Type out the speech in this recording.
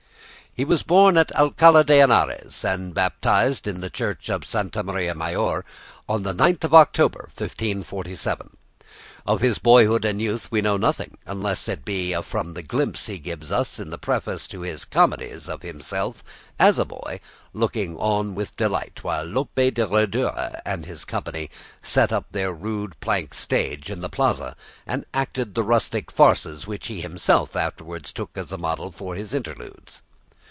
He was born at Alcala de Henares and baptised in the church of Santa Maria Mayor on the 9th of October, 1547. Of his boyhood and youth we know nothing, unless it be from the glimpse he gives us in the preface to his "Comedies" of himself as a boy looking on with delight while Lope de Rueda and his company set up their rude plank stage in the plaza and acted the rustic farces which he himself afterwards took as the model of his interludes.